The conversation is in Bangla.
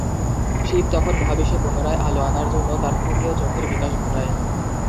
শিব তখন মহাবিশ্বে পুনরায় আলো আনার জন্য তার তৃতীয় চোখের বিকাশ ঘটায়।